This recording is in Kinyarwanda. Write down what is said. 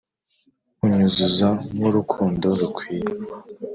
Anyuzuzamw urukundo rukwiye.